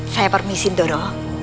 saya permisi doro